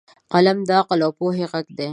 قلم د عقل او پوهې غږ دی